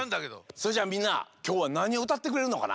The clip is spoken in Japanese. それじゃあみんなきょうはなにをうたってくれるのかな？